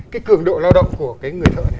cái cường độ lao động của người thợ này